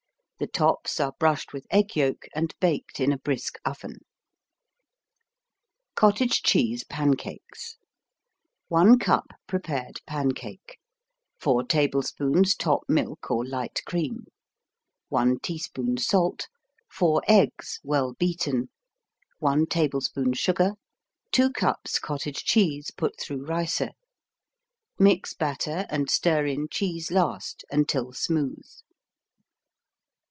The tops are brushed with egg yolk and baked in a brisk oven. Cottage Cheese Pancakes 1 cup prepared pancake 4 tablespoons top milk or light cream 1 teaspoon salt 4 eggs, well beaten 1 tablespoon sugar 2 cups cottage cheese, put through ricer Mix batter and stir in cheese last until smooth.